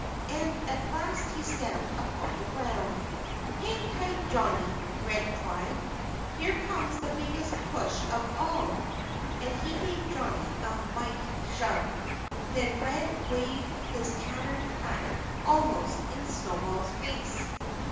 And at last he stamped upon the ground. "Hang tight, Johnnie!" Red cried. "Here comes the biggest push of all!" And he gave Johnnie a mighty shove. Then Red waved his tattered hat almost in Snowball's face.